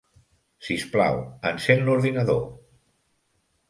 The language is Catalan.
Sisplau, encén l'ordinador.